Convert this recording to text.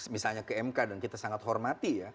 misalnya ke mk dan kita sangat hormati ya